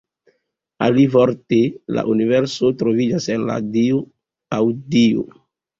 Alivorte, la universo troviĝas "en" la dio aŭ Dio.